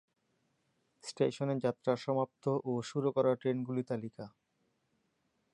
স্টেশনে যাত্রা সমাপ্ত ও শুরু করা ট্রেনগুলি তালিকা।